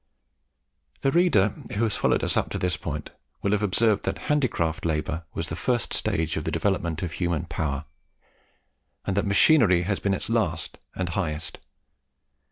The reader who has followed us up to this point will have observed that handicraft labour was the first stage of the development of human power, and that machinery has been its last and highest.